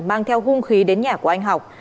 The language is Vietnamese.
mang theo hung khí đến nhà của anh học